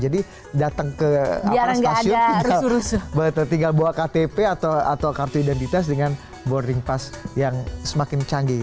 jadi datang ke stasiun tinggal bawa ktp atau kartu identitas dengan boarding pass yang semakin canggih